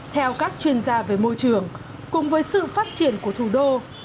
theo các chuyên gia về môi trường cùng với sự phát triển của thủ đô